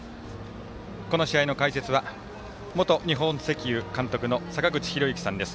この試合の解説は元日本石油監督の坂口裕之さんです。